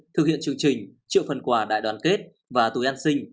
thực hiện chương trình triệu phần quà đại đoàn kết và túi ăn xinh